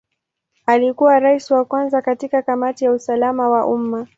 Alikuwa Rais wa kwanza katika Kamati ya usalama wa umma.